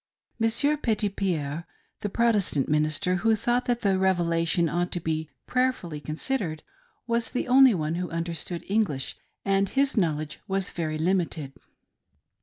Monsieur Petitpierre, the Protestant minister, who thought that the Revelation ought to be " prayerfully considered," was the only one who understood English, and his knowledge was very limited.